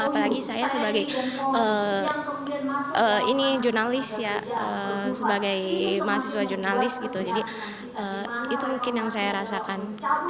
apalagi saya sebagai jurnalis ya sebagai mahasiswa jurnalis gitu jadi itu mungkin yang saya rasakan